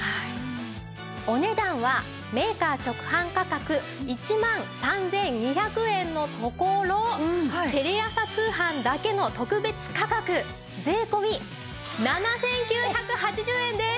お値段はメーカー直販価格１万３２００円のところテレ朝通販だけの特別価格税込７９８０円です！